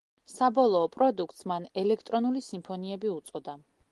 საბოლოო პროდუქტს მან „ელექტრონული სიმფონიები უწოდა“.